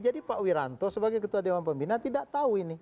jadi pak wiranta sebagai ketua dewan pembina tidak tahu ini